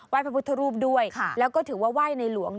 พระพุทธรูปด้วยแล้วก็ถือว่าไหว้ในหลวง